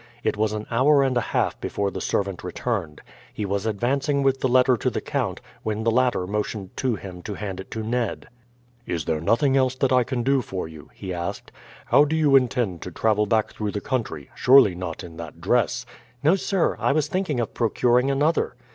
It was an hour and a half before the servant returned. He was advancing with the letter to the count, when the latter motioned to him to hand it to Ned. "Is there nothing else that I can do for you?" he asked. "How do you intend to travel back through the country? Surely not in that dress?" "No, sir; I was thinking of procuring another."